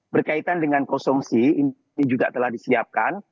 berkaitan dengan konsumsi ini juga telah disiapkan